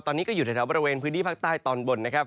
ตอนนี้ก็อยู่ในแถวบริเวณพื้นที่ภาคใต้ตอนบนนะครับ